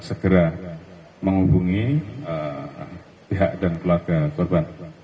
segera menghubungi pihak dan keluarga korban